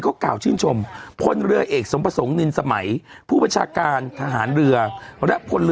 ก็กล่าวชื่นชมพลเรือเอกสมประสงค์นินสมัยผู้บัญชาการทหารเรือและพลเรือ